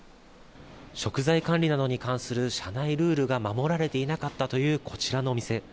食材管理などに関する社内ルールが守られていなかったというこちらのお店。